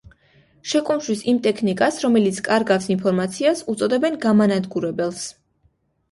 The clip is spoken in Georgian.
შეკუმშვის იმ ტექნიკას, რომელიც კარგავს ინფორმაციას უწოდებენ გამანადგურებელს.